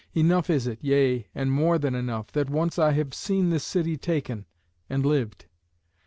Enough is it, yea, and more than enough, that once I have seen this city taken, and lived.